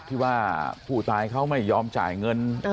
ที่ว่าผู้ตายเขาไม่ยอมจ่ายเงิน